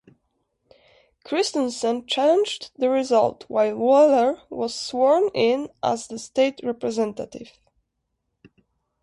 Christensen challenged the result while Weller was sworn in as the State Representative.